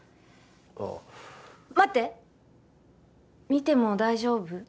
ああ待って見ても大丈夫？